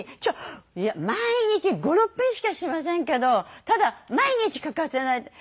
毎日５６分しかしませんけどただ毎日欠かせないって。